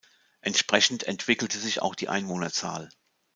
Entsprechend entwickelte sich auch die Einwohnerzahl.